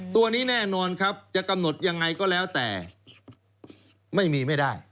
ตัวนี้แน่นอนครับจะกำหนดยังไงก็แล้วแต่ไม่มีไม่ได้